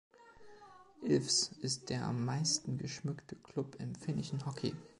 Ilves ist der am meisten geschmückte Klub im finnischen Hockey.